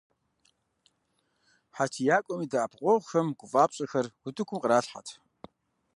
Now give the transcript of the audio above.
ХьэтиякӀуэм и дэӀэпыкъуэгъухэм гъэфӀапщӀэхэр утыкум кърахьэрт.